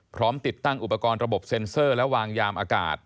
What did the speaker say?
ติดตั้งอุปกรณ์ระบบเซ็นเซอร์และวางยามอากาศ